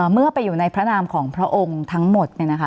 เมื่อไปอยู่ในพระนามของพระองค์ทั้งหมด